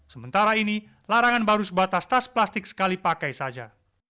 sementara ini larangan baru sebatas tas plastik sekali pakai saja